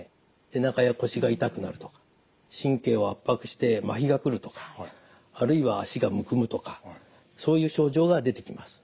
背中や腰が痛くなるとか神経を圧迫して麻痺が来るとかあるいは足がむくむとかそういう症状が出てきます。